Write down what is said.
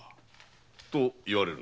と言われるのか？